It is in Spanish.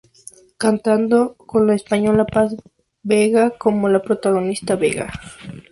Contando con la española Paz Vega como la protagonista "Vega".